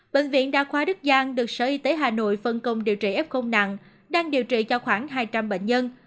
bệnh viện đa khoa đức giang được sở y tế hà nội phân công điều trị f nặng đang điều trị cho khoảng hai trăm linh bệnh nhân